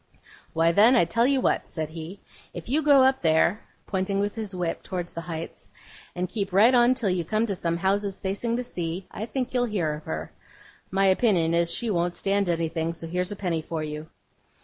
'Why then, I tell you what,' said he. 'If you go up there,' pointing with his whip towards the heights, 'and keep right on till you come to some houses facing the sea, I think you'll hear of her. My opinion is she won't stand anything, so here's a penny for you.